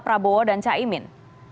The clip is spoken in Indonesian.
prabowo dan caimin